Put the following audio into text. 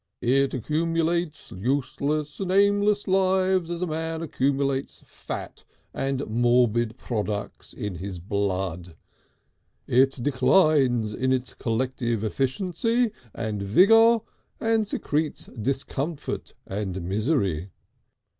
It accumulates useless and aimless lives as a man accumulates fat and morbid products in his blood, it declines in its collective efficiency and vigour and secretes discomfort and misery.